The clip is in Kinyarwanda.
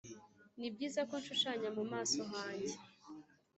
nibyiza ko nshushanya mu maso hanjye